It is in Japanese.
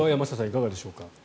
いかがでしょうか。